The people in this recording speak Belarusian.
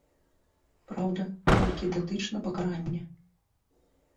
Праўда, толькі датычна пакарання.